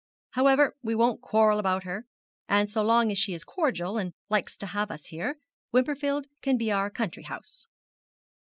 However, we won't quarrel about her, and so long as she is cordial, and likes to have us here, Wimperfield can be our country house.'